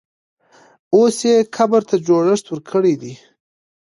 اوس یې قبر ته جوړښت ورکړی دی.